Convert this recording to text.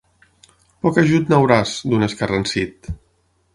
Poc ajut n'hauràs, d'un escarransit.